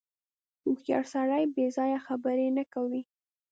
• هوښیار سړی بېځایه خبرې نه کوي.